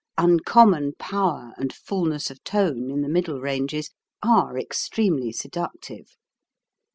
Uncommon power and fulness of tone in the middle ranges are extremely seductive.